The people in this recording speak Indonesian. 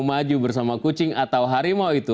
maju bersama kucing atau harimau itu